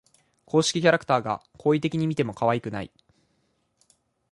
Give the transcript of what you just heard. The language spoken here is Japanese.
公式キャラクターが好意的に見てもかわいくない